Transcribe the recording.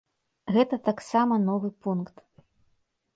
Гэта таксама новы пункт.